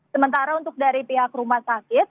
sementara untuk dari pihak rumah sakit